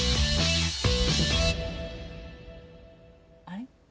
あれ？